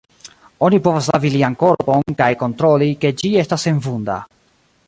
Oni povas lavi lian korpon, kaj kontroli, ke ĝi estas senvunda.